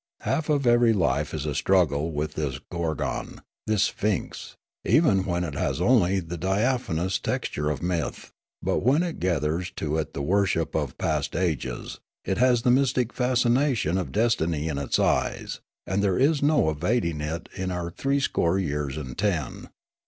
Half of every life is a struggle with this gorgon, this sphinx, even when it has only the diaphanous texture of myth ; but when it gathers to it the worship of past ages, it has the mystic fascination of destiny in its eyes, and there is no evading it in our threescore years and ten.